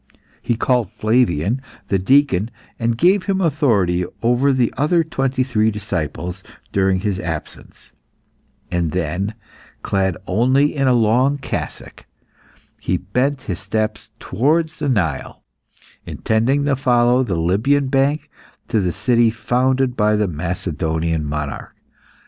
He called Flavian, the deacon, and gave him authority over the other twenty three disciples during his absence; and then, clad only in a long cassock, he bent his steps towards the Nile, intending to follow the Libyan bank to the city founded by the Macedonian monarch.